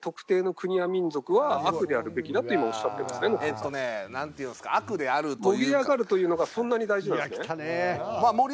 えっとねなんていうんですか悪であるというか。